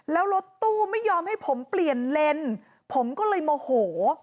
แล้วรถตู้ไม่ยอมให้ผมเปลี่ยนเลนผมก็เลยโมโห